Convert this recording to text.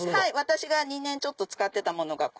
私が２年ちょっと使ってたもの。